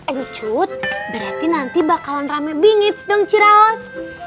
encut berarti nanti bakalan rame bingits dong ciraos